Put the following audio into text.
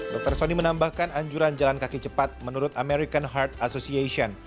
dr sony menambahkan anjuran jalan kaki cepat menurut american heart association